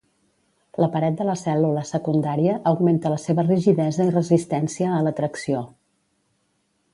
La paret de la cèl·lula secundària augmenta la seva rigidesa i resistència a la tracció.